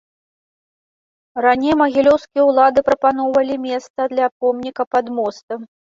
Раней магілёўскія ўлады прапаноўвалі месца для помніка пад мостам.